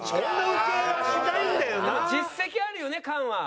でも実績あるよね菅は。